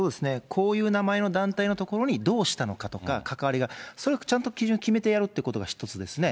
こういう名前の団体のところにどうしたのかとか、関わりが、それをちゃんと基準決めてやるってことが一つですね。